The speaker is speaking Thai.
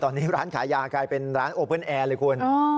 ตอนนี้ร้านขายยากลายเป็นร้านโอเปิ้ลแอร์เลยคุณ